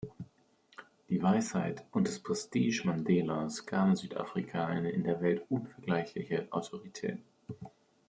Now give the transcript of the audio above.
Die Weisheit und das Prestige Mandelas gaben Südafrika eine in der Welt unvergleichliche Autorität.